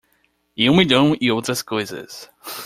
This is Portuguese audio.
E um milhão e uma outras coisas.